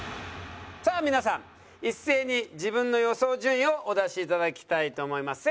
さあ皆さん一斉に自分の予想順位をお出しいただきたいと思います。